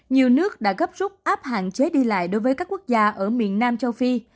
nhiều nước đã gấp rút áp hạn chế đi lại đối với các quốc gia ở miền nam châu phi